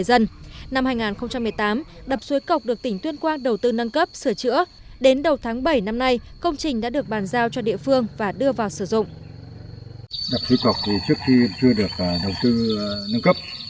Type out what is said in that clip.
năm hai nghìn một mươi tám đập suối cộc được tỉnh tuyên quang đầu tư nâng cấp sửa chữa đến đầu tháng bảy năm nay công trình đã được bàn giao cho địa phương và đưa vào sử dụng